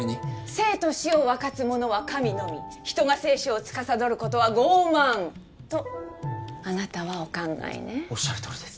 生と死を分かつ者は神のみ人が生死をつかさどることは傲慢とあなたはお考えねおっしゃるとおりです